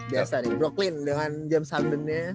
biasa nih broklin dengan jams harman nya